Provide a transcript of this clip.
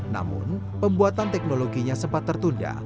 namun pembuatan teknologinya sempat tertunda